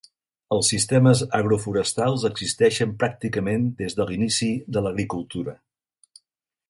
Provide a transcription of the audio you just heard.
Els sistemes agroforestals existeixen pràcticament des de l'inici de l'agricultura.